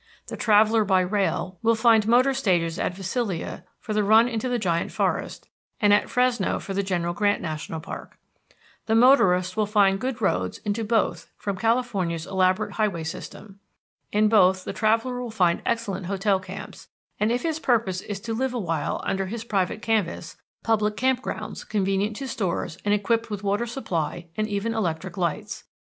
The traveller by rail will find motor stages at Visalia for the run into the Giant Forest, and at Fresno for the General Grant National Park. The motorist will find good roads into both from California's elaborate highway system. In both the traveller will find excellent hotel camps, and, if his purpose is to live awhile under his private canvas, public camp grounds convenient to stores and equipped with water supply and even electric lights.